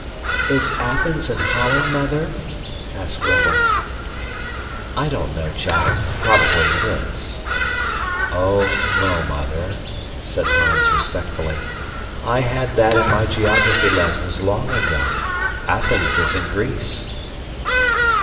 "Is Athens in Holland, Mother?" asked Gretel. "I don't know, child. Probably it is." "Oh, no, Mother," said Hans respectfully. "I had that in my geography lessons long ago. Athens is in Greece."